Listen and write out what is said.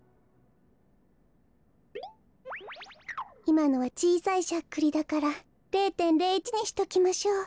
いまのはちいさいしゃっくりだから０．０１にしときましょう。